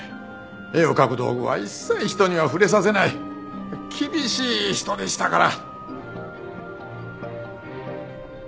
絵を描く道具は一切人には触れさせない厳しい人でしたから。